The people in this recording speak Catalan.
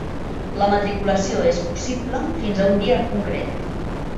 La matriculació és possible fins a un dia concret.